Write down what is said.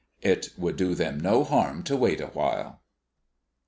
It would do them no harm to wait a while.